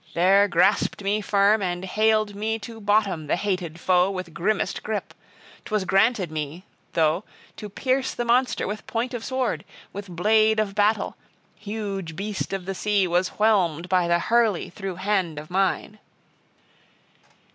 There grasped me firm and haled me to bottom the hated foe, with grimmest gripe. 'Twas granted me, though, to pierce the monster with point of sword, with blade of battle: huge beast of the sea was whelmed by the hurly through hand of mine.